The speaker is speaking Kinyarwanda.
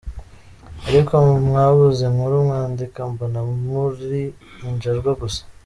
Ariko mwabuze inkuru mwandika mbona muri injajwa gusa.